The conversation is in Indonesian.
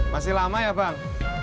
masih lama ya bang